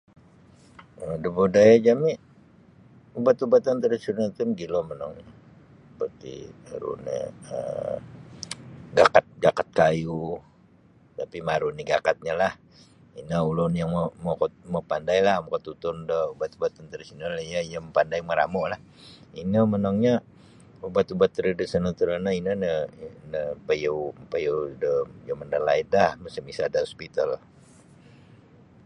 um Da budaya jami' ubat-ubatan tradisional ti mogilo monongnyo seperti aru ni um gakat-gakat kayu tapi maru' nini' gakatnyolah ino ulun yang mokot mapandailah makatutun da ubat-ubat tradisional iyo mapandai maramu'lah ino monongnyo ubat-ubat tradisional torono ino nio napaiyou mapaiyou da jaman dalaidlah musim isada' hospital.